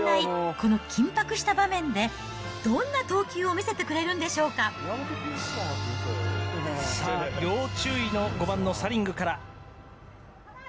この緊迫した場面で、どんな投球を見せてくれさあ、要注意の５番のサリングから。